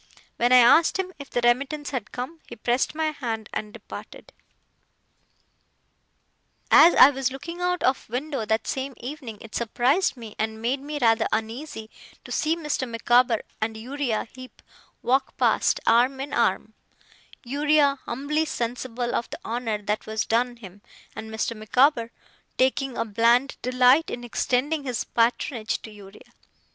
When I asked him if the remittance had come, he pressed my hand and departed. As I was looking out of window that same evening, it surprised me, and made me rather uneasy, to see Mr. Micawber and Uriah Heep walk past, arm in arm: Uriah humbly sensible of the honour that was done him, and Mr. Micawber taking a bland delight in extending his patronage to Uriah.